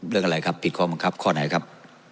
เรื่องอะไรครับผิดข้อบังคับข้อไหนครับ